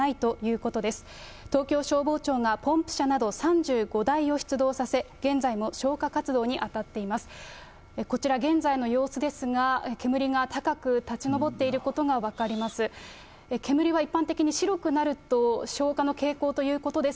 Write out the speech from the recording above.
こちら、現在の様子ですが、煙が高く立ち上っていることが分かります。